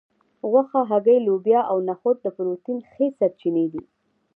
غوښه هګۍ لوبیا او نخود د پروټین ښې سرچینې دي